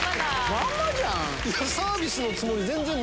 まんまじゃん！